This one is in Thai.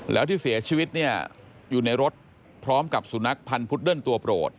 แล้วที่เสียชีวิตเนี่ยอยู่ในรถพร้อมกับสุนัขพันธ์พุดเดิ้ลตัวโปรด